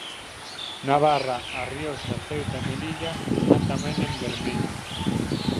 Navarra, A Rioxa, Ceuta e Melilla, están tamén en vermello.